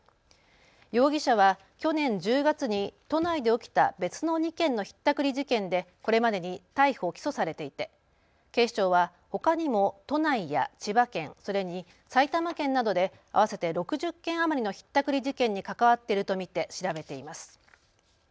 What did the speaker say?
容疑者は去年１０月に都内で起きた別の２件のひったくり事件でこれまでに逮捕・起訴されていて警視庁はほかにも都内や千葉県、それに埼玉県などで合わせて６０件余りのひったくり事件に関わっていると見て調べています。